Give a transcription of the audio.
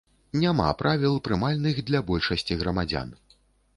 Няма правіл, прымальных для большасці грамадзян.